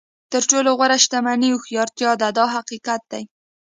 تر ټولو غوره شتمني هوښیارتیا ده دا حقیقت دی.